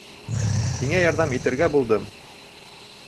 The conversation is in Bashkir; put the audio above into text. Һиңә ярҙам итергә булдым.